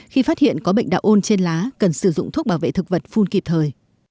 khi phát hiện có bệnh đạo ôn trên lá cần sử dụng thuốc bảo vệ thực vật phun kịp thời